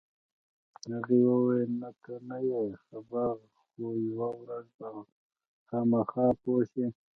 هغې وویل: نه، ته نه یې خبر، خو یوه ورځ به خامخا پوه شې.